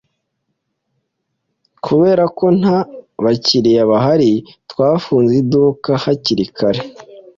Kubera ko nta bakiriya bahari, twafunze iduka hakiri kare.